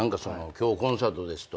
今日コンサートですと。